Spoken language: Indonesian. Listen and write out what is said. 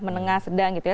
menengah sedang gitu ya